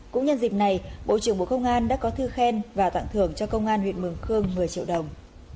cũng nhân dịp này bộ trưởng bộ công an đã có thư khen và tặng thưởng cho công an huyện mường khương một mươi triệu đồng